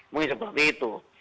mungkin seperti itu